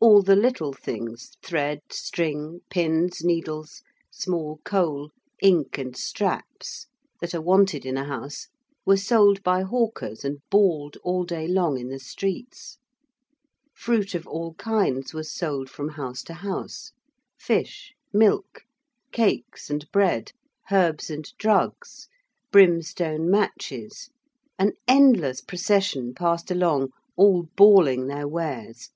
All the little things thread, string, pins, needles, small coal, ink, and straps that are wanted in a house were sold by hawkers and bawled all day long in the streets: fruit of all kinds was sold from house to house: fish: milk: cakes and bread: herbs and drugs: brimstone matches: an endless procession passed along, all bawling their wares.